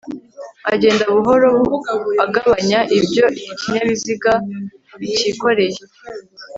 agenda buhoro agabanya ibyo ikinyabiziga kikoreye